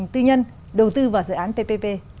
tư nhân đầu tư vào dự án ppp